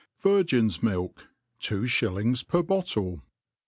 Virgin's ATtlL^Two Shillings per Bottle.